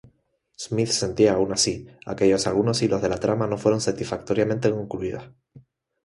Smith sentía aún así, aquellos algunos hilos de la trama no fueron satisfactoriamente concluidos.